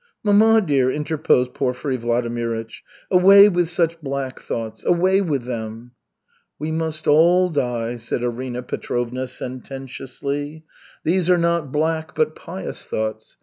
"Mamma dear!" interposed Porfiry Vladimirych. "Away with such black thoughts, away with them!" "We must all die," said Arina Petrovna sententiously. "These are not black, but pious thoughts.